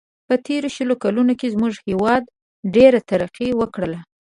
په تېرو شلو کلونو کې زموږ هیواد ډېره ترقي و کړله.